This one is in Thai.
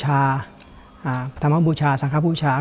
ท่ามพระมันพุทชาสังความพุทชา